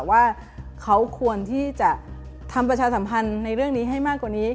ว่าเขาควรที่จะทำประชาสัมพันธ์ในเรื่องนี้ให้มากกว่านี้